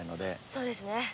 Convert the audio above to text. そうですね。